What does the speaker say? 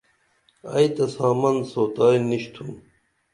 ائی تہ سامن سوتائی نِشِتُھم